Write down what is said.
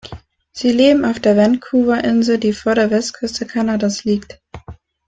Sie leben auf der Vancouver-Insel, die vor der Westküste Kanadas liegt.